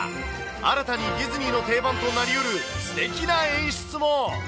新たにディズニーの定番となりうるすてきな演出も。